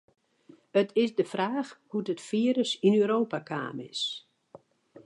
It is de fraach hoe't it firus yn Europa kaam is.